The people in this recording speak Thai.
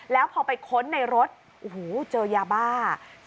แล้วพอไปค้นในรถโอ้โหเจอยาบ้า